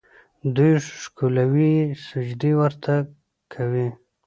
دوی ښکلوي یې، سجدې ورته کوي.